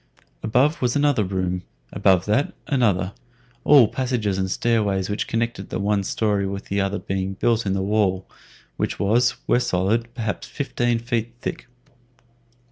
Above was another room; above that, another; all the passages and stairways which connected the one story with the other being built in the wall, which was, where solid, perhaps fifteen feet thick.